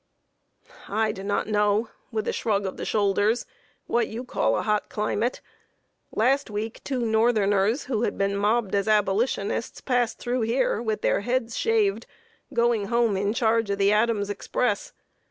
"I do not know" (with a shrug of the shoulders) "what you call a hot climate. Last week, two northerners, who had been mobbed as Abolitionists, passed through here, with their heads shaved, going home, in charge of the Adams' Express.